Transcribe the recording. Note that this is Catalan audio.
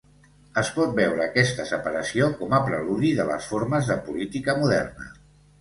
Es pot veure aquesta separació com a preludi de les formes de política moderna.